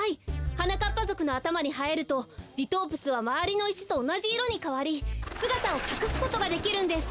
はなかっぱぞくのあたまにはえるとリトープスはまわりのいしとおなじいろにかわりすがたをかくすことができるんです。